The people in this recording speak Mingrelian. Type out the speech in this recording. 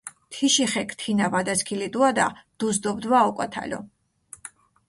თიში ხექ თინა ვადასქილიდუადა, დუს დობდვა ოკვათალო.